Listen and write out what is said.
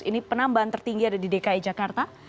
ini penambahan tertinggi ada di dki jakarta